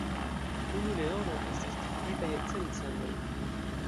Unu leono estas dividita je cent "cendoj".